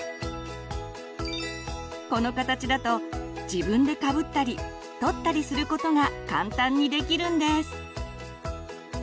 この形だと自分でかぶったり取ったりすることが簡単にできるんです。